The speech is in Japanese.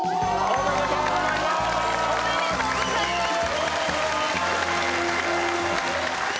おめでとうございます。